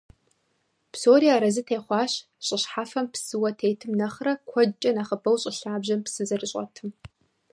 Псори арэзы техъуащ, ЩӀы щхьэфэм псыуэ тетым нэхърэ куэдкӀэ нэхъыбэу щӀы лъабжьэм псы зэрыщӀэтым.